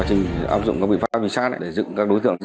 chủ nhiệm bài học